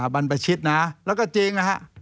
บรรพชิตนะแล้วก็จริงนะฮะ